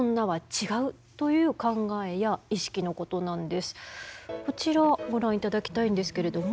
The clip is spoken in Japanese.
そもそもこちらご覧いただきたいんですけれども。